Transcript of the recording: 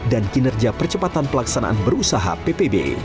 dan kinerja percepatan pelaksanaan berusaha ppb